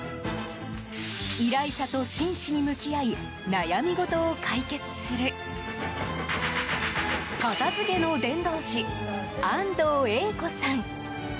依頼者と真摯に向き合い悩み事を解決する片付けの伝道師、安東英子さん。